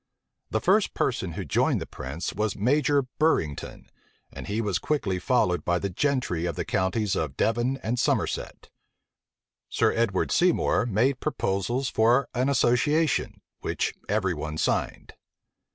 The first person who joined the prince, was Major Burrington; and he was quickly followed by the gentry of the counties of Devon and Somerset. Sir Edward Seymour made proposals for an association, which every one signed.